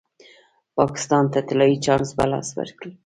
پاکستان ته طلايي چانس په لاس ورکړ.